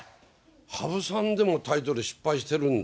羽生さんでもタイトル失敗してるんだ。